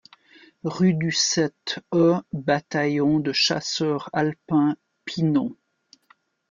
Rue du sept e Bataillon de Chasseurs Alpins, Pinon